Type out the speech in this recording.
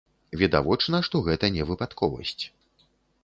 Відавочна, што гэта не выпадковасць.